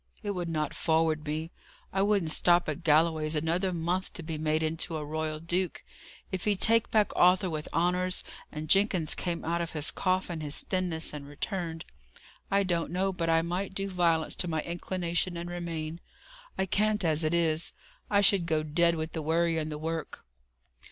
It would not forward me. I wouldn't stop at Galloway's another month to be made into a royal duke. If he'd take back Arthur with honours, and Jenkins came out of his cough and his thinness and returned, I don't know but I might do violence to my inclination and remain. I can't, as it is. I should go dead with the worry and the work."